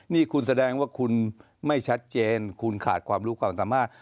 นี่คุณแสดงว่าคุณไม่ชัดเจนคุณขาดความรู้ความสามารถ